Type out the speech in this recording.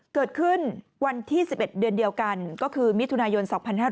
เกิดขึ้นวันที่๑๑เดือนเดียวกันก็คือมิถุนายน๒๕๕๙